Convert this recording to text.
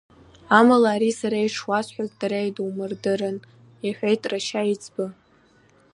Амала ари сара ишуасҳәаз дара идумырдырын, — иҳәеит рашьа еиҵбы.